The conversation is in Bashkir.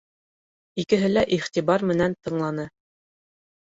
Икеһе лә иғтибар менән тыңланы.